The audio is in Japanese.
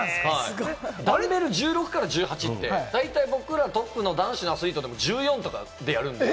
ダンベル１６から１８って、大体僕らトップの男子のアスリートでも１４とかでやるんです。